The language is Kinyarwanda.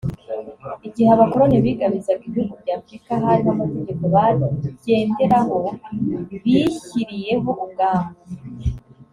Igihe abakoloni bigabizaga ibihugu by’afurika hariho amategeko bagenderaho bishyiriyeriho ubwabo